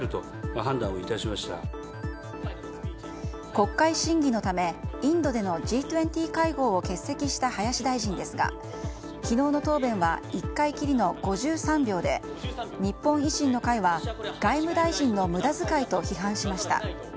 国会審議のためインドでのＧ２０会合を欠席した林大臣ですが昨日の答弁は１回きりの５３秒で日本維新の会は外務大臣の無駄使いと批判しました。